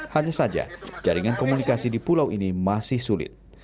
hanya saja jaringan komunikasi di pulau ini masih sulit